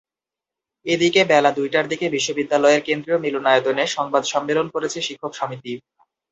এদিকে বেলা দুইটার দিকে বিশ্ববিদ্যালয়ের কেন্দ্রীয় মিলনায়তনে সংবাদ সম্মেলন করেছে শিক্ষক সমিতি।